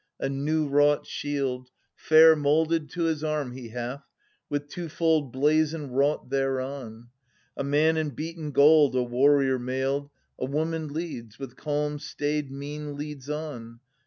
A new wrought shield, fair moulded to his arm He hath, with twofold blazon wrought thereon : A man in beaten gold, a warrior mailed, A woman leads, with calm staid mien leads on.